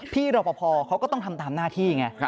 พี่รอปภเขาก็ต้องทำตามหน้าที่ไง